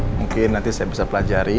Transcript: mungkin nanti saya bisa pelajari